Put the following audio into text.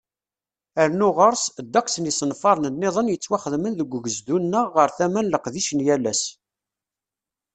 Rnu ɣer-s, ddeqs n yisenfaren-nniḍen yettwaxdamen deg ugezdu-nneɣ ɣar tama n leqdic n yal ass.